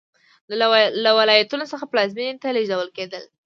له ولایتونو څخه پلازمېنې ته لېږدول کېدل